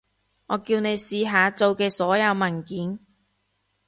我叫你試下做嘅所有文件